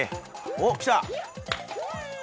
おっきた！